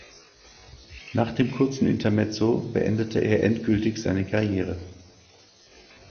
Nach dem kurzen Intermezzo beendete er endgültig seine Karriere.